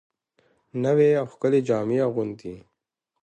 نوې او ښکلې جامې اغوندي